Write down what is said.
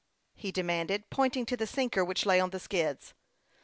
he demanded, pointing to the sinker which lay on the skids.